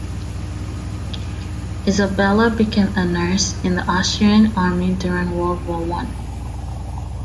Isabella became a nurse in the Austrian army during World War One.